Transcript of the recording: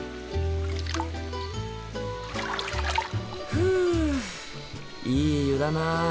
ふいい湯だな。